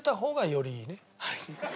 はい。